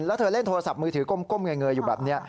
แล้วเธอเล่นโทรศัพท์มือถือก้มเงยอยู่แบบนี้